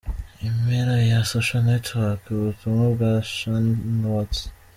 Impera ya {socialnetworck} ubutumwa bwa shanannwatts.